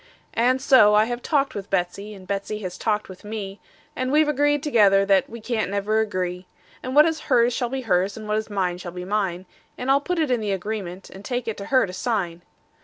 And so I have talked with Betsey, and Betsey has talked with me, And we have agreed together that we can't never agree; And what is hers shall be hers, and what is mine shall be mine; And I'll put it in the agreement, and take it to her to sign.